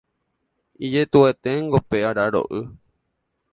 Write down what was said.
Ijetu'ueténgo pe araro'y